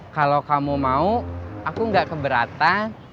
kalau kamu mau aku gak keberatan